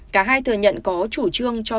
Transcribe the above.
cả hai thừa nhận có chủ trương cho bán hoa